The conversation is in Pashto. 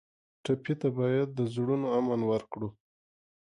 ټپي ته باید د زړونو امن ورکړو.